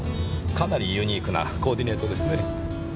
かなりユニークなコーディネートですね。